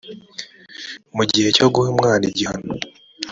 mu gihe cyo guha umwana igihano